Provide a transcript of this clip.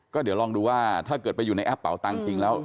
ก็เดี๋ยวลองดูว่าถ้าเกิดไปอยู่ในแอปเป่าตังค์จริงแล้ว